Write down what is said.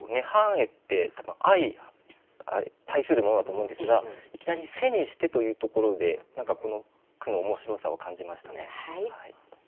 涅槃絵って相対するものだと思うんですがいきなり「背にして」というところで何かこの句の面白さを感じましたね。